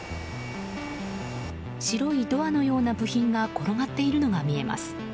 白いドアのような部品が転がっているのが見えます。